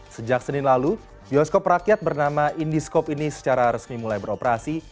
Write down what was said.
sejak senin lalu bioskop rakyat bernama indiscope ini secara resmi mulai beroperasi